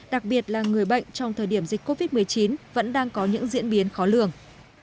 đặc biệt là người bệnh trong thời điểm dịch covid một mươi chín vẫn đang có những diễn biến khó lường